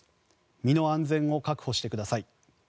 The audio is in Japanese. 身の安全を確保してください。